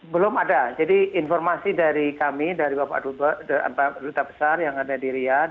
belum ada jadi informasi dari kami dari bapak ibu dan anggota besar yang ada di riyadh